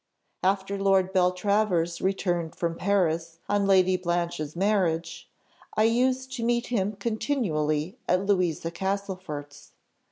"After Lord Beltravers returned from Paris on Lady Blanche's marriage, I used to meet him continually at Louisa Castlefort's.